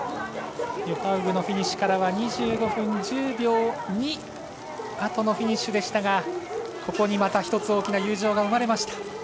ヨハウグのフィニッシュからは２５分１０秒２あとのフィニッシュでしたがここにまた１つ大きな友情が生まれました。